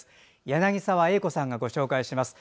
柳澤英子さんがご紹介します。